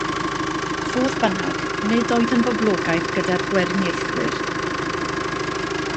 Fodd bynnag, nid oedd yn boblogaidd gyda'r gweiriniaethwyr.